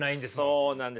そうなんです。